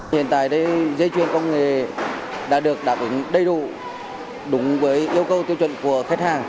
hiện tại đây dây chuyền công nghệ đã được đáp ứng đầy đủ đúng với yêu cầu tiêu chuẩn của khách hàng